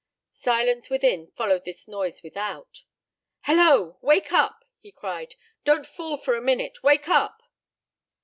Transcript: Silence within followed this noise without. "Hello! Wake up!" he cried. "Don't fool for a minute. Wake up!"